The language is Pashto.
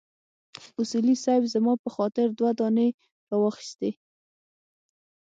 اصولي صیب زما په خاطر دوه دانې راواخيستې.